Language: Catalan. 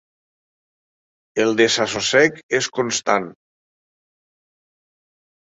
El desassossec és constant.